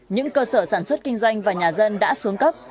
những cơ sở sản xuất kinh doanh và nhà dân đã xuống cấp